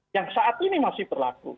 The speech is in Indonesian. yang saat ini masih berlaku